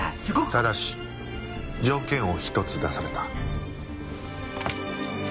ただし条件を１つ出された。